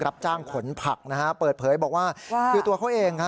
รับจ้างขนผักนะครับเปิดเผยบอกว่าอยู่ตัวเขาเอง